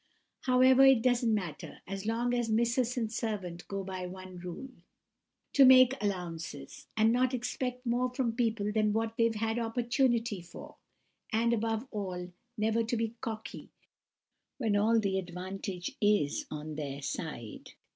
However, it doesn't matter, so long as Missus and servant go by one rule—to make allowances, and not expect more from people than what they've had opportunity for; and, above all, never to be cocky when all the advantage is on their own side.